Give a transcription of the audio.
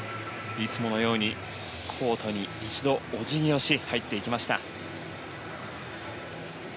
いつものようにコートに一度、お辞儀をし入っていきました。